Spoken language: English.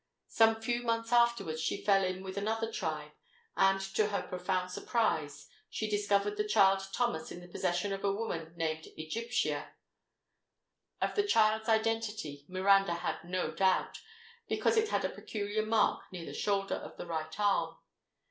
Some few months afterwards she fell in with another tribe; and to her profound surprise, she discovered the child Thomas in the possession of a woman named Egyptia. Of the child's identity Miranda had no doubt, because it had a peculiar mark near the shoulder of the right arm.